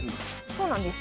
そうなんです。